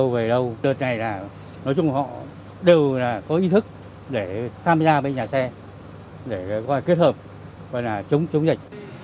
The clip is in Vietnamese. họ đều có ý thức để tham gia với nhà xe để kết hợp và chống dịch